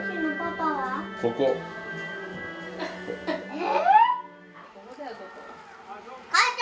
え？